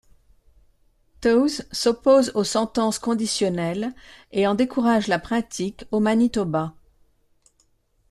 Toews s'oppose aux sentences conditionnelles et en décourage la pratique au Manitoba.